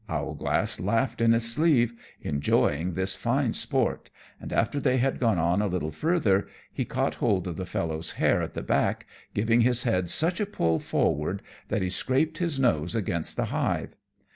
Owlglass laughed in his sleeve, enjoying this fine sport; and, after they had gone on a little further, he caught hold of the fellow's hair at the back, giving his head such a pull forward that he scraped his nose against the hive.